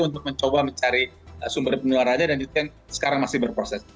untuk mencoba mencari sumber penularannya dan itu yang sekarang masih berproses